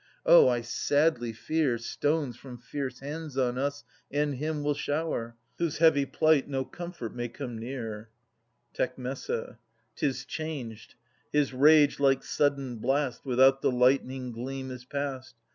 Oh, I sadly fear Stones from fierce hands on us and him will shower. Whose heavy plight no comfort may come near. Tec. 'Tis changed; his rage, like sudden blast. Without the lightning gleam is past.